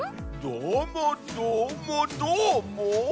どーもどーもどーも！